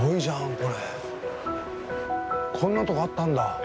こんなとこあったんだ。